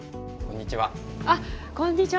こんにちは。